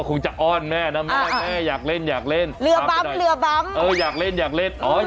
บัตรซื้อตั๋วยเรียบร้อยไปลูกพาย